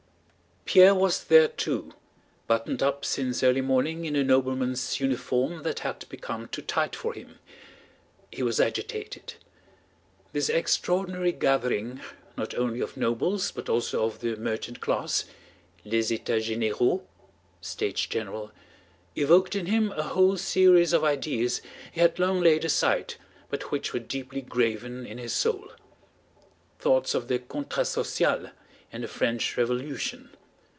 Pierre was there too, buttoned up since early morning in a nobleman's uniform that had become too tight for him. He was agitated; this extraordinary gathering not only of nobles but also of the merchant class—les états généraux (States General)—evoked in him a whole series of ideas he had long laid aside but which were deeply graven in his soul: thoughts of the Contrat Social and the French Revolution.